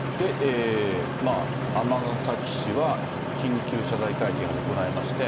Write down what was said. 尼崎市は緊急謝罪会見を行いまして。